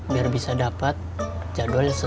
biar bisa dapat jadwal yang sesuai